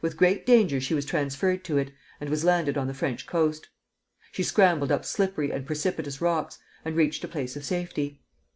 With great danger she was transferred to it, and was landed on the French coast. She scrambled up slippery and precipitous rocks, and reached a place of safety.